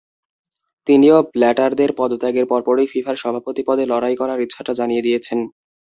তিনিও ব্ল্যাটারের পদত্যাগের পরপরই ফিফার সভাপতি পদে লড়াই করার ইচ্ছাটা জানিয়ে দিয়েছেন।